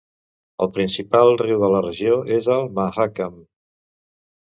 El principal riu de la regió és el Mahakam.